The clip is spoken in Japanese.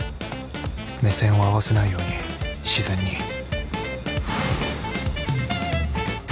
目線を合わせないように自然に